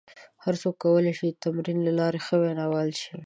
هر څوک کولای شي د تمرین له لارې ښه ویناوال شي.